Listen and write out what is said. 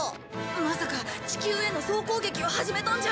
まさか地球への総攻撃を始めたんじゃ。